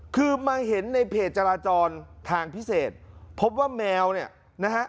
คือมาเห็นในเพจจราจรทางพิเศษพบว่าแมวเนี่ยนะฮะ